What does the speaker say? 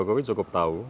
pak jokowi cukup tahu